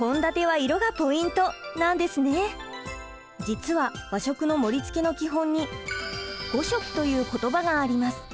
実は和食の盛りつけの基本に「五色」という言葉があります。